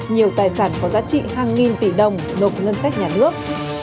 nhiều tài sản có giá trị hàng nghìn tỷ đồng nộp ngân sách nhà nước